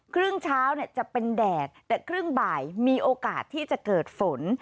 ครึ่งเช้าจะเป็นแดดแต่ครึ่งบ่ายมีโอกาสที่จะเกิดฝน